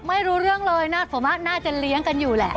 ไม่รู้เรื่องเลยส่วนมากน่าจะเลี้ยงกันอยู่แหละ